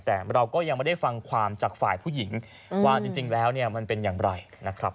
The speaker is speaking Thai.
แต่เราก็ยังไม่ได้ฟังความจากฝ่ายผู้หญิงว่าจริงแล้วเนี่ยมันเป็นอย่างไรนะครับ